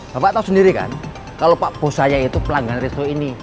bapak tahu sendiri kan kalau pak bos saya itu pelanggan resto ini